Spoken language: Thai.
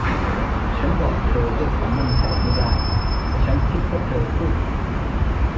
ฉันบอกเธอด้วยความมั่นใจไม่ได้ แต่ฉันคิดว่าเธอพูดถูก